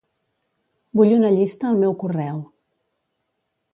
Vull una llista al meu correu.